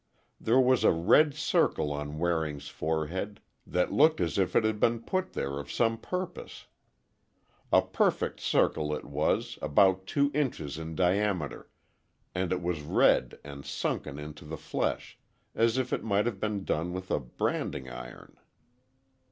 There was a red circle on Waring's forehead, that looked as if it had been put there of some purpose. A perfect circle it was, about two inches in diameter, and it was red and sunken into the flesh, as if it might have been done with a branding iron.